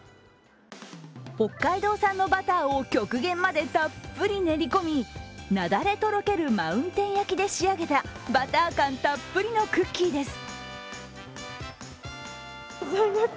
北海道産のバターを極限までたっぷり練り込みなだれとろけるマウンテン焼きで仕上げたバター感たっぷりのクッキーです。